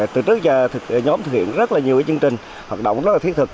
từ trước giờ nhóm thực hiện rất nhiều chương trình hoạt động rất thiết thực